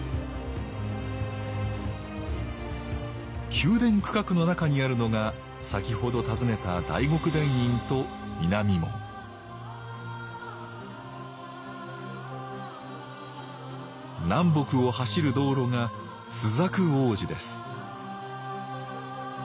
宮殿区画の中にあるのが先ほど訪ねた大極殿院と南門南北を走る道路が朱雀大路です